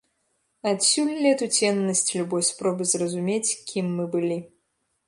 Адсюль летуценнасць любой спробы зразумець, кім мы былі.